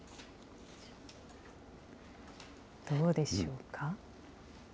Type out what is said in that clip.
どうでしょうか？